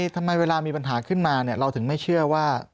ทำไมเวลามีปัญหาขึ้นมาเราถึงไม่เชื่อว่า